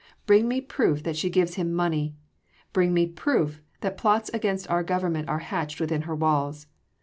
Bring me proof that she gives him money! Bring me proof that plots against our Government are hatched within her walls!